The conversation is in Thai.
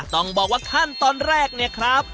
ต้องบอกว่าขั้นตอนแรกเนี่ยครับ